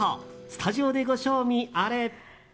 スタジオでご賞味あれ。